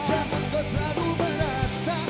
jangan kau selalu merasa